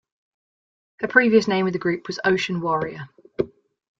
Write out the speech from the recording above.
Her previous name with the group was "Ocean Warrior".